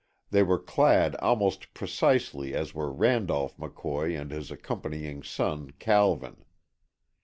They were clad almost precisely as were Randolph McCoy and his accompanying son Calvin.